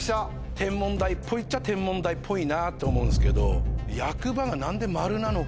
天文台っぽいっちゃ天文台っぽいなと思うんですけど。